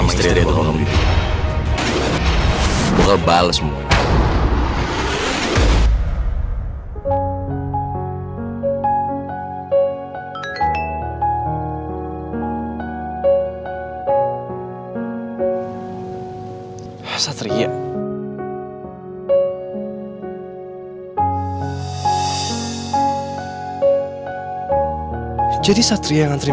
sama istri itu bakal menderita